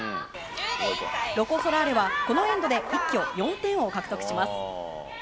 ロコ・ソラーレは、このエンドで一挙４点を獲得します。